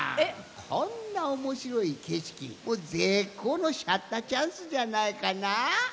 こんなおもしろいけしきぜっこうのシャッターチャンスじゃないかな？